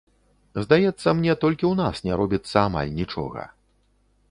Здаецца мне, толькі ў нас не робіцца амаль нічога.